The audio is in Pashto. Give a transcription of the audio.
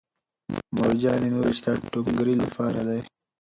مورجانې مې وویل چې دا د ټونګرې لپاره دی